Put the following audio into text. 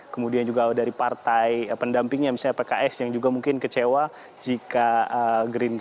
kemudian juga dari partai pendampingnya misalnya pks yang juga mungkin kecewa jika gerindra